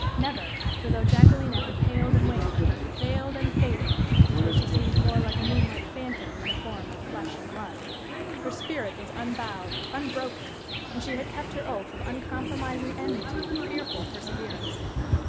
Never! for though Jacquelina had paled and waned, failed and faded, until she seemed more like a moonlight phantom than a form of flesh and blood her spirit was unbowed, unbroken, and she had kept her oath of uncompromising enmity with fearful perseverance.